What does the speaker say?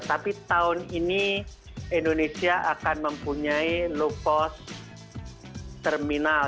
tapi tahun ini indonesia akan mempunyai low cost terminal